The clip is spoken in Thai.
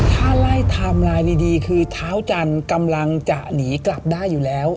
ถ้าไล่ไทม์ไลน์ดีคือเท้าจันทร์กำลังจะหนีกลับได้อยู่แล้ว